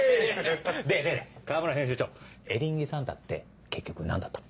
で河村編集長エリンギサンタって結局何だったの？